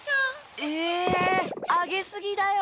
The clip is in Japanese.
えあげすぎだよ！